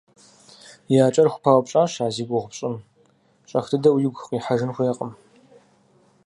И акӀэр хупаупщӀащ а зи гугъу пщӀым, щӀэх дыдэ игу къихьэжын хуейкъым.